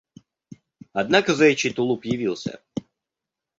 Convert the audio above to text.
Однако заячий тулуп явился.